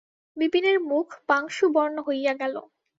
বিপিনের মুখ পাংশুবর্ণ হইয়া গেল।